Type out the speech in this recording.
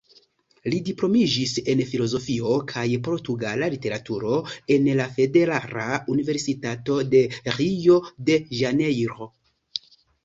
Li diplomiĝis en filozofio kaj portugala literaturo en la Federala Universitato de Rio-de-Ĵanejro.